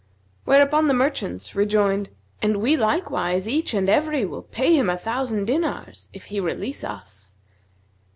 whereupon the merchants rejoined, 'And we likewise, each and every, will pay him a thousand dinars if he release us.'